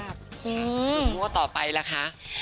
สมมุติว่าต่อไปล่ะคะ